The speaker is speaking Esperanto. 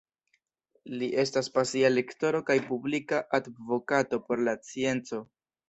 Li estas pasia lektoro kaj publika advokato por la scienco.